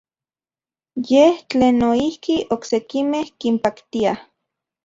Yej tlen noijki oksekimej kinpaktia.